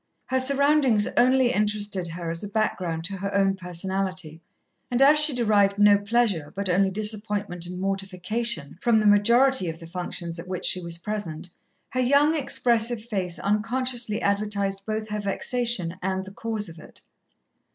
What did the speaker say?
Her surroundings only interested her as a background to her own personality, and as she derived no pleasure, but only disappointment and mortification, from the majority of the functions at which she was present, her young, expressive face unconsciously advertised both her vexation and the cause of it.